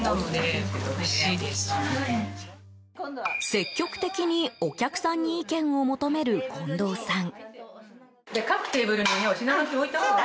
積極的に、お客さんに意見を求める近藤さん。